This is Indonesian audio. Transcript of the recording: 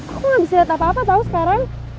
aku gak bisa lihat apa apa tau sekarang